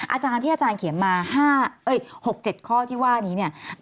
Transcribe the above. อาจารย์ที่อาจารย์เขียนมา๖๗ข้อที่ว่านี้เนี่ย